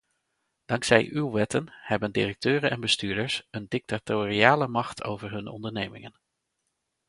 Dankzij uw wetten hebben directeuren en bestuurders een dictatoriale macht over hun ondernemingen.